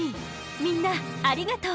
みんなありがとう！